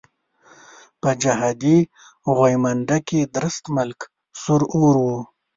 په جهادي غويمنډه کې درست ملک سور اور وو.